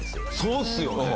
そうっすよね。